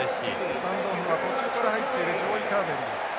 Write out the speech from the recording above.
スタンドオフは途中から入っているジョーイカーベリー。